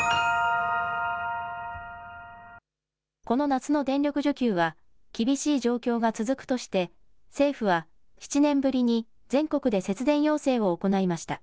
この夏の電力需給は、厳しい状況が続くとして、政府は、７年ぶりに全国で節電要請を行いました。